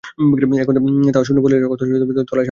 এখন তাহা শূন্য বলিলেই হয়, অথচ তলায় সামান্য কিছু বাকি আছে।